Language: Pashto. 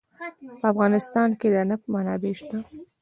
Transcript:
په افغانستان کې د نفت منابع شته.